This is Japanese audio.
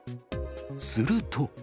すると。